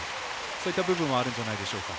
そういった部分はあるんじゃないでしょうか。